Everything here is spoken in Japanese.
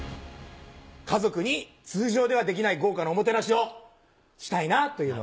家族に通常ではできない豪華なおもてなしをしたいなというのが。